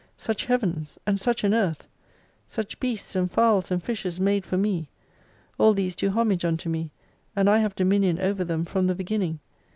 Such Heavens and such an Earth ! Such beasts and fowls and fishes made for me. All these do homage unto me, and I have dominion over them from the Beginning